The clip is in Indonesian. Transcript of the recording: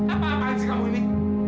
apa apaan sih kamu ini